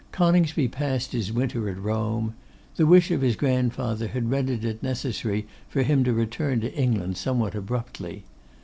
Coningsby passed his winter at Rome. The wish of his grandfather had rendered it necessary for him to return to England somewhat abruptly.